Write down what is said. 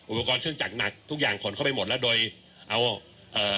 อุปกรณ์เครื่องจักรหนักทุกอย่างขนเข้าไปหมดแล้วโดยเอาเอ่อ